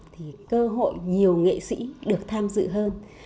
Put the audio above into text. thì cơ hội nhiều nghệ sĩ được tham dự hơn